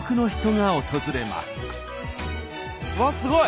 うわっすごい！